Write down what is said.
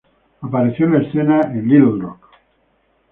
Apareció en escena en Little Rock.